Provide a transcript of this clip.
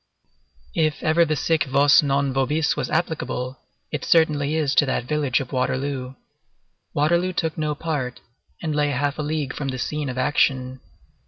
If ever the sic vos non vobis was applicable, it certainly is to that village of Waterloo. Waterloo took no part, and lay half a league from the scene of action.